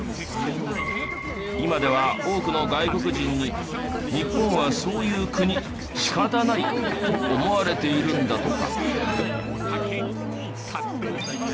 今では多くの外国人に「日本はそういう国」「仕方ない」と思われているんだとか。